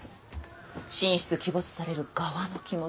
鬼没される側の気持ちも。